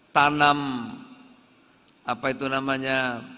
tanam apa itu namanya